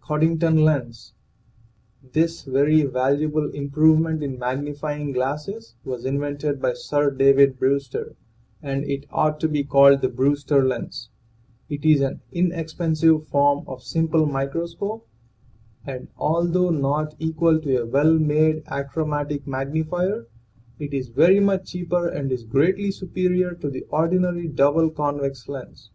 CODDINGTON LENS. This very valuable improvement in magnifying glasses was invented by Sir David Brews ter and it ought to be called the " Brews ter lens" It is an inexpensive form of simple microscope, and although not equal to a well made achromatic magnifier, it is very much cheaper and is greatly superior to the ordinary double convex lens.